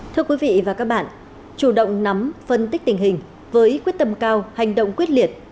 thưa quý vị và các bạn chủ động nắm phân tích tình hình với quyết tâm cao hành động quyết liệt